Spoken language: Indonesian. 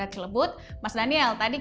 ini masihse something